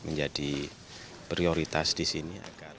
menjadi prioritas di sini